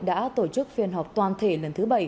đã tổ chức phiên họp toàn thể lần thứ bảy